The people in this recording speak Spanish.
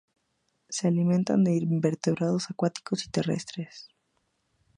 Se alimentan de invertebrados acuáticos y terrestres.